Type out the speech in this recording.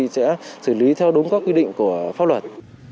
sẽ xử lý theo đúng các quy định của pháp luật